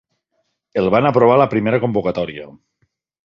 El van aprovar a la primera convocatòria.